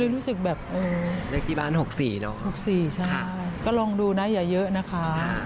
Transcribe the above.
เลขที่บ้าน๖๔นะคะอายุ๕๓นะคะ